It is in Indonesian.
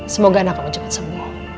semoga anak kamu cepat semua